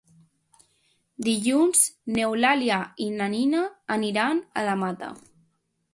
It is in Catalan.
Dilluns n'Eulàlia i na Nina aniran a la Mata.